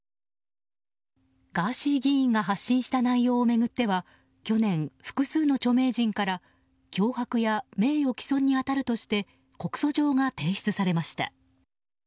ガーシー議員が発信した内容を巡っては去年、複数の著名人から脅迫や名誉棄損に当たるとして告訴状が提出されました。